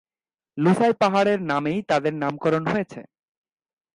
লুসাই পাহাড়ের নামেই তাদের নামকরণ হয়েছে।